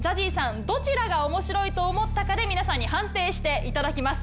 どちらが面白いと思ったかで皆さんに判定していただきます。